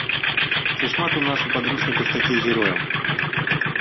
Ці шмат у нас у падручніках такіх герояў?